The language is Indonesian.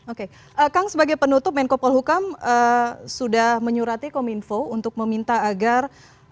oke kang sebagai penutup menko polhukam sudah menyurati kominfo untuk meminta agar